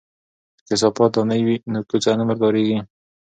که کثافات دانی وي نو کوڅه نه مرداریږي.